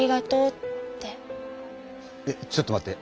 えちょっと待って。